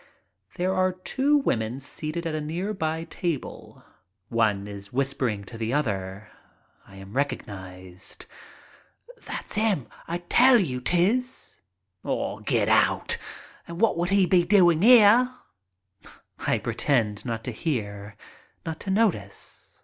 There are two women seated at a near by table. One is whispering to the other. I am recognized. "That's 'im; I tell you 'tis." "Ah, get out! And wot would 'e be a doin' 'ere?" I pretend not to hear, not to notice.